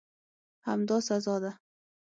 همدا سزا ده.